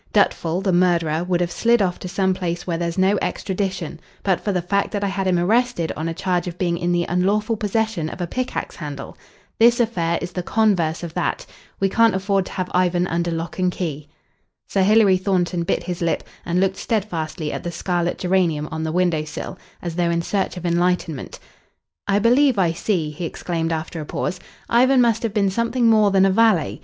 Dutful, the murderer, would have slid off to some place where there's no extradition, but for the fact that I had him arrested on a charge of being in the unlawful possession of a pickaxe handle. This affair is the converse of that. We can't afford to have Ivan under lock and key." Sir Hilary Thornton bit his lip and looked steadfastly at the scarlet geranium on the window sill, as though in search of enlightenment. "I believe I see," he exclaimed after a pause. "Ivan must have been something more than a valet.